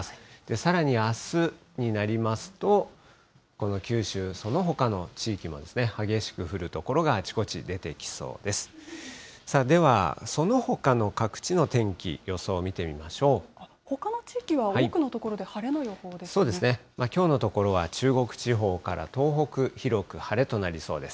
さらにあすになりますと、この九州そのほかの地域も激しく降る所があちこち出てきそうです。